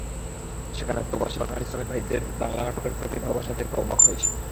সেখানে প্রবাসী বাঙালি শ্রমিক ভাইদের বাংলা নাটকের প্রতি ভালোবাসা দেখে অবাক হয়েছি।